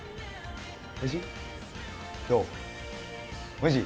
おいしい？